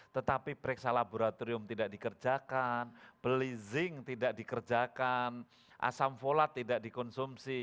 tetapi periksa laboratorium tidak dikerjakan beli zinc tidak dikerjakan asam folat tidak dikonsumsi